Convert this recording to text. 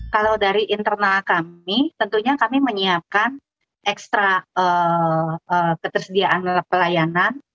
kalau dari internal kami tentunya kami menyiapkan ekstra ketersediaan pelayanan